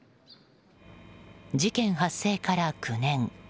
事件発生から９年。